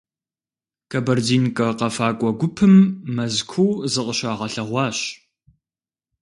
«Кабардинкэ» къэфакӏуэ гупым Мэзкуу зыкъыщагъэлъэгъуащ.